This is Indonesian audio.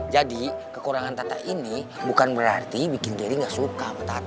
jadi kekurangan tata ini bukan berarti bikin gary gak suka sama tata